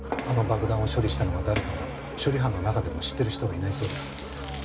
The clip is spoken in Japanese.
あの爆弾を処理したのが誰かは処理班の中でも知ってる人はいないそうです。